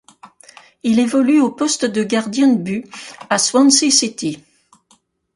Il évolue au poste de gardien de but à Swansea City.